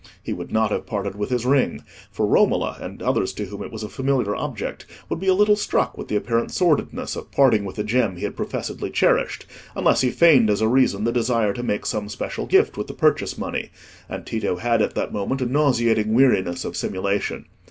He would not have parted with his ring; for Romola, and others to whom it was a familiar object, would be a little struck with the apparent sordidness of parting with a gem he had professedly cherished, unless he feigned as a reason the desire to make some special gift with the purchase money; and Tito had at that moment a nauseating weariness of simulation.